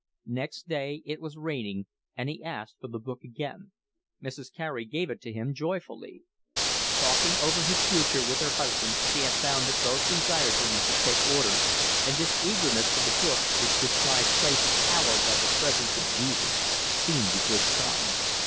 Next day it was raining, and he asked for the book again. Mrs. Carey gave it him joyfully. Talking over his future with her husband she had found that both desired him to take orders, and this eagerness for the book which described places hallowed by the presence of Jesus seemed a good sign.